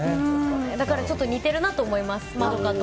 だからちょっと似てるなと思います、円と。